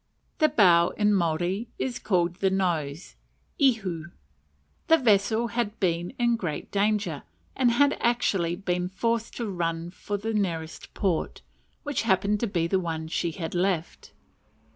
The bow in Maori is called the "nose" (ihu). The vessel had been in great danger, and had been actually forced to run for the nearest port; which happened to be the one she had left.